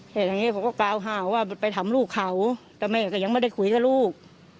เพราะฉะนั้นเนี่ยผมก็กล่าวว่าไปถามลูกเขาแต่แม่ยังไม่ได้คุยกับลูก